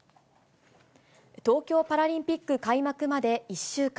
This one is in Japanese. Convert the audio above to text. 東京パラリンピック開幕まで１週間。